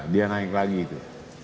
dia naik lagi itu